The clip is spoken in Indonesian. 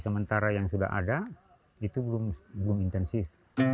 sementara yang sudah ada itu belum intensif